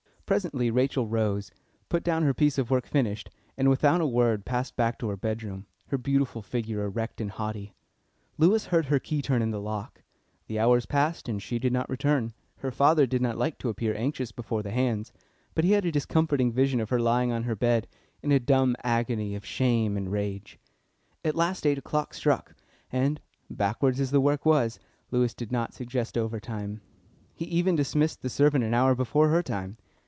Presently Rachel rose, put down her piece of work finished, and without a word passed back to her bedroom, her beautiful figure erect and haughty. Lewis heard her key turn in the lock. The hours passed, and she did not return. Her father did not like to appear anxious before the "hands," but he had a discomforting vision of her lying on her bed, in a dumb agony of shame and rage. At last eight o'clock struck, and, backward as the work was, Lewis did not suggest overtime. He even dismissed the servant an hour before her time.